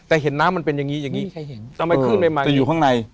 แต่เห็นน้ำมันเป็นอย่างงี้อย่างงี้ไม่มีใครเห็นเออแต่อยู่ข้างใน